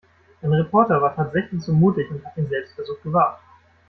Ein Reporter war tatsächlich so mutig und hat den Selbstversuch gewagt.